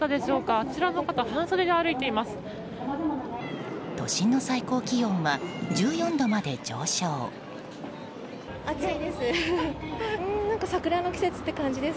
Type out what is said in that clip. あちらの方、半袖で歩いています。